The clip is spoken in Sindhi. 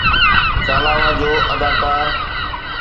چالاوا جو اداڪار